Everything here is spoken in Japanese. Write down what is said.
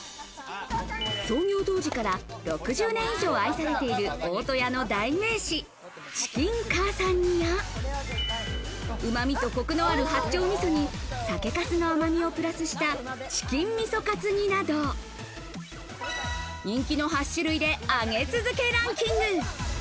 創業当時から６０年以上愛されている大戸屋の代名詞、チキンかあさん煮や、旨みとコクのある八丁味噌に酒粕の甘みをプラスしたチキン味噌かつ煮など、人気の８種類で上げ続けランキング。